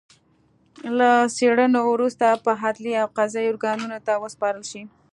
له څېړنو وروسته به عدلي او قضايي ارګانونو ته وسپارل شي